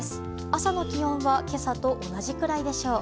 朝の気温は今朝と同じくらいでしょう。